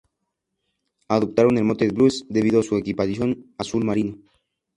Adoptaron el mote de "Blues", debido a su equipación azul marino.